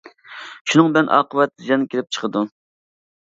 شۇنىڭ بىلەن ئاقىۋەت زىيان كېلىپ چىقىدۇ.